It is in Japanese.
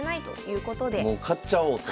買っちゃおうと。